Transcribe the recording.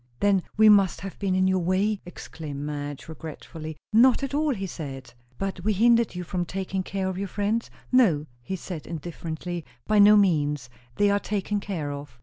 "Then we must have been in your way," exclaimed Madge regretfully. "Not at all," he said. "But we hindered you from taking care of your friends?" "No," he said indifferently; "by no means. They are taken care of."